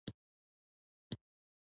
د مراسیمو په اخر کې ډوډۍ وخوړل شوه.